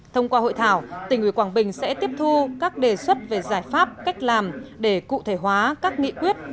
thông qua hội thảo tỉnh ủy quảng bình sẽ tiếp thu các đề xuất về giải pháp cách làm để cụ thể hóa các nghị quyết